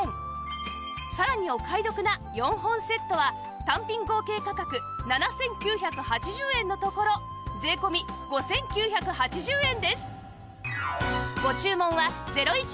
さらにお買い得な４本セットは単品合計価格７９８０円のところ税込５９８０円です！